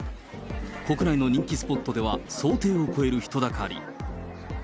国内の人気スポットでは想定を超える人だかり。